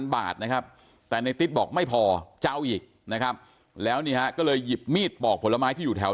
บาทนะครับแต่ในติ๊ดบอกไม่พอจะเอาอีกนะครับแล้วนี่ฮะก็เลยหยิบมีดปอกผลไม้ที่อยู่แถว